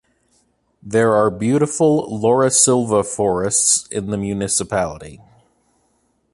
There are beautiful "laurisilva" forests in the municipality.